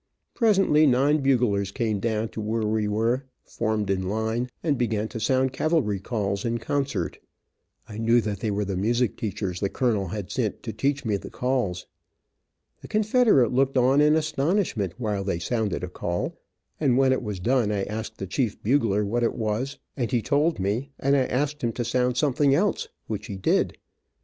Presently nine buglers came down to where we were, formed in line, and began to sound cavalry calls in concert. I knew that they were the music teachers the colonel had sent to teach me the calls. The confederate looked on in astonishment, while they sounded a call, and when it was done I asked the chief bugler what it was, and he told me, and I asked him to sound something else, which he did.